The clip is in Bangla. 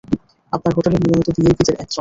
আপনার হোটেলের নিয়মিত ভিআইপিদের একজন।